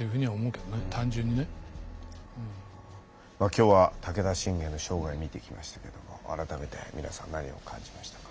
今日は武田信玄の生涯見てきましたけども改めて皆さん何を感じましたか？